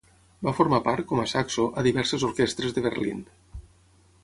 Va formar part, com a saxo, a diverses orquestres de Berlín.